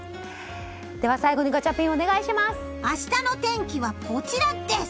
では最後にガチャピン明日の天気はこちらです！